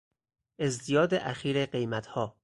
ازدیاد اخیر قیمتها